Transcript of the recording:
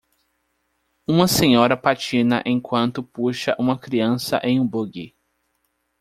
Uma senhora patina enquanto puxa uma criança em um buggy.